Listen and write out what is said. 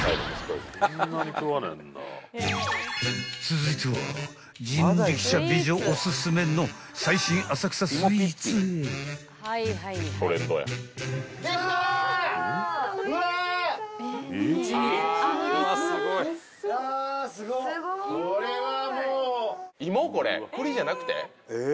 ［続いては］芋！？